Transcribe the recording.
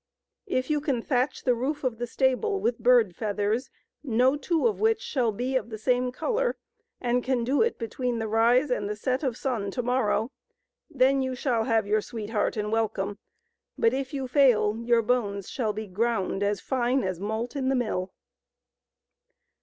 If you can thatch the roof of the stable with bird feathers, no two of which shall be of the same color, and can do it between the rise and the set of sun to morrow, then you shall have your sweetheart and welcome. But if you fail your bones shall be ground as fine as malt in the mill."